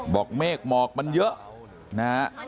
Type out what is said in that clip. บอกเมฆหมอกมันเยอะนะ